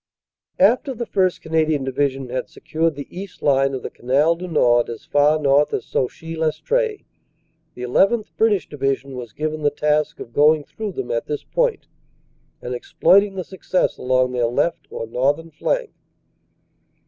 After the 1st. Canadian Division had secured the east line of the Canal du Nord as far north as Sauchy Lestree, the 1 1th. British Division was given the task of going through them at this point and exploiting the success along their left or north ern flank.